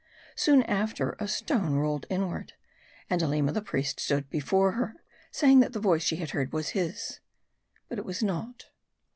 Soon after, a stone rolled inward, and Aleema the' priest stood before her ; saying that the voice she had heard was his. But it was not.